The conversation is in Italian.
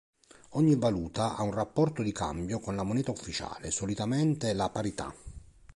Ogni valuta ha un rapporto di cambio con la moneta ufficiale, solitamente la parità.